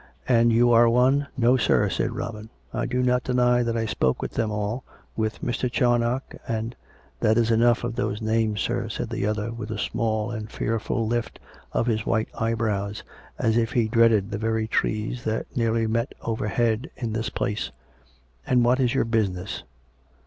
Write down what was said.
" And you are one "" No, sir," said Robin, " I do not deny that I spoke with them all — with Mr. Charnoc and "" That is enough of those names, sir," said the other, with a small and fearful lift of his white eyebrows, as if he dreaded the very trees that nearly met overhead in this place. " And what is your business